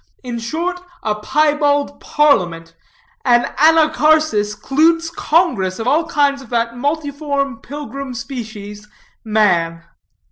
In short, a piebald parliament, an Anacharsis Cloots congress of all kinds of that multiform pilgrim species, man.